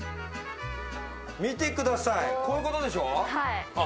見てください、こういうことでしょ。